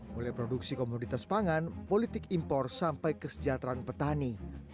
mulai produksi komoditas pangan politik impor sampai kesejahteraan petani